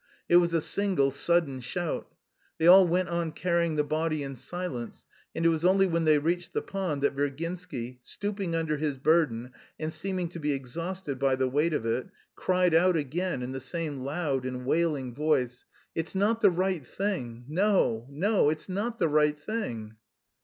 It was a single, sudden shout. They all went on carrying the body in silence, and it was only when they reached the pond that Virginsky, stooping under his burden and seeming to be exhausted by the weight of it, cried out again in the same loud and wailing voice: "It's not the right thing, no, no, it's not the right thing!"